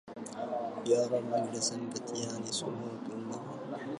يا رب مجلس فتيان سموت له